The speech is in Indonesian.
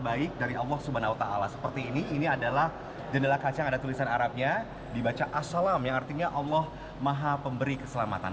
masjid ini merupakan asma'ul husna atau nama nama baik dari allah swt seperti ini ini adalah jendela kaca yang ada tulisan arabnya dibaca as salam yang artinya allah maha pemberi keselamatan